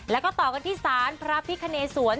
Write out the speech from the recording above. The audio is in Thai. แล้วก็ต่อกันที่ศาลพระพิคเนสวน